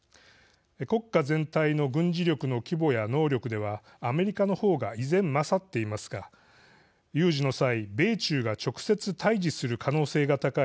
国家全体の軍事力の規模や能力では、アメリカの方が依然、勝っていますが有事の際、米中が直接、対じする可能性が高い